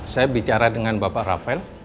saya bicara dengan bapak rafael